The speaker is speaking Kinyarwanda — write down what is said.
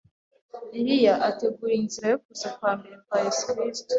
Eliya, ategura inzira yo kuza kwa mbere kwa Yesu Kristo.